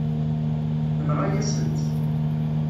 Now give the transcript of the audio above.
Tenɣa-yasen-tt.